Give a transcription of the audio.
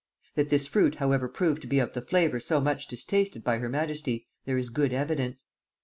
That this fruit however proved to be of the flavor so much distasted by her majesty, there is good evidence.